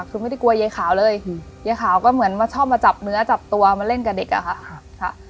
คือไม่ได้กลัวยายขาวเลยยายขาวก็เหมือนมาชอบมาจับเนื้อจับตัวมาเล่นกับเด็กอะค่ะ